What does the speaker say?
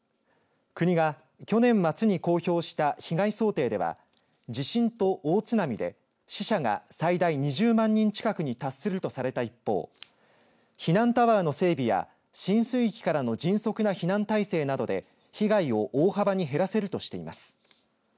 国が去年末に公表した被害想定では地震と大津波で死者が最大２０万人近くに達するとされた一方避難タワーの整備や浸水域からの迅速な避難態勢などで被害を大幅に減らせるとしています。